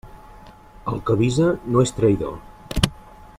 El que avisa no és traïdor.